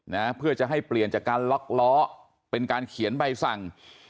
นะเพื่อจะให้เปลี่ยนจากการล็อกล้อเป็นการเขียนใบสั่ง